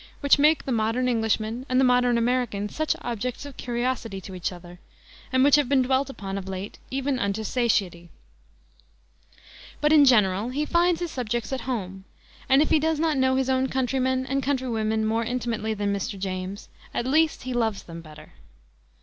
which make the modern Englishman and the modern American such objects of curiosity to each other, and which have been dwelt upon of late even unto satiety. But in general he finds his subjects at home, and if he does not know his own countrymen and countrywomen more intimately than Mr. James, at least he loves them better.